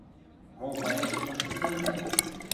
– Мол вӓрежӹ кышкы кемӹлӓ?